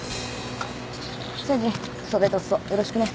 誠治袖とすそよろしくね。